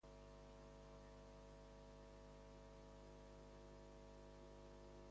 Pertany al moviment independentista la Xus?